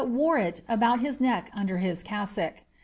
wore it about his neck under his cassock.